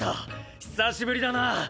久しぶりだなあ。